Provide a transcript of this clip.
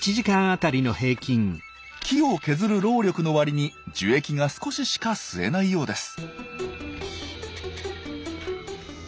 木を削る労力の割に樹液が少ししか吸えないようです。